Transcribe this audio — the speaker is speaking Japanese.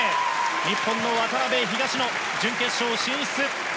日本の渡辺・東野、準決勝進出。